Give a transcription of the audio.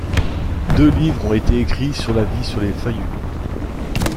Deux livres ont été écrits sur la vie sur les Fayu.